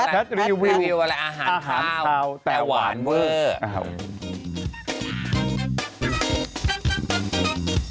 พัทรีวิวอะไรอาหารเฉาแต่หวานเจือ